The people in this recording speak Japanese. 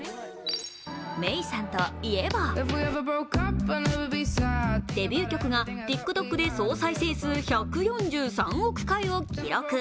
メイさんといえばデビュー曲がＴｉｋＴｏｋで総再生数、１４３億回を記録。